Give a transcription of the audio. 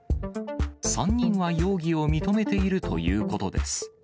３人は容疑を認めているということです。